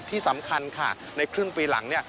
ที่สำคัญค่ะในครึ่งปีหลังเนี่ย